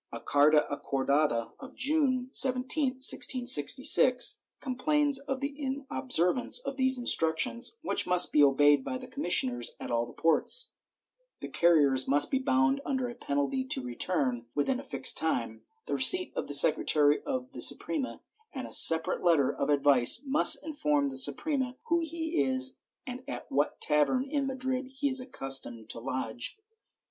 A carta acordada of June 17, 1666, complains of the inobservance of these instructions, which must be obeyed by the commissioners at all the ports; the carriers must be bound under a penalty to return, within a fixed time, the receipt of the secretary of the Suprema, and a separate letter of advice must inform the Suprema who he is and at what tavern in Madrid he is accustomed to lodge.